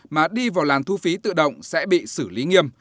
mà đi vào làn thu phí tự động sẽ bị xử lý nghiêm